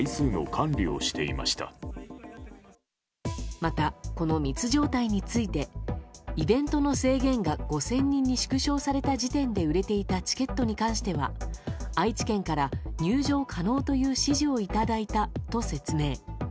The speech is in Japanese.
また、この密状態についてイベントの制限が５０００人に縮小されていた時点で売れていたチケットに関しては愛知県から入場可能という指示をいただいたと説明。